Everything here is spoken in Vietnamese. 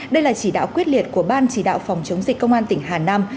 đây là chỉ đạo quyết liệt của ban chỉ đạo phòng chống dịch công an tỉnh hà nam